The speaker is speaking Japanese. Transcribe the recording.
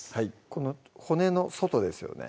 この骨の外ですよね